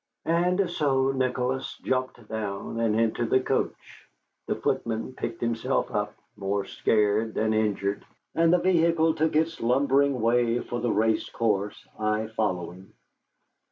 And so Nicholas jumped down, and into the coach. The footman picked himself up, more scared than injured, and the vehicle took its lumbering way for the race course, I following.